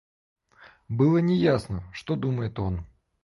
Было не ясно, что думает он.